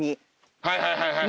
はいはいはいはい。